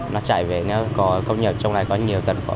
nó chạy về nó có công nhân trong đấy có nhiều tầng khoảng bốn mươi năm người